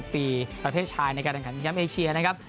แต่เภสชายในการการสนิมเยียมแอเชียนะครับ